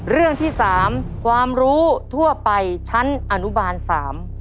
เรื่องที่สามความรู้ทั่วไปชั้นอนุบาลสาม